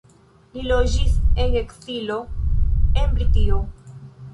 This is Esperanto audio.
Li loĝis en ekzilo en Britio.